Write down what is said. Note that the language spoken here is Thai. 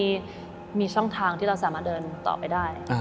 ที่มีช่องทางที่เราสามารถเดินต่อไปได้